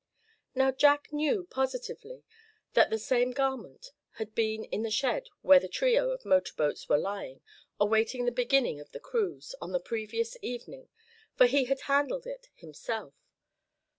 Now Jack knew positively that the same garment had been in the shed where the trio of motor boats were lying, awaiting the beginning of the cruise, on the previous evening, for he had handled it himself.